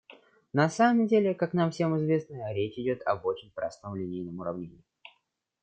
На самом деле, как нам всем известно, речь идет об очень простом линейном уравнении.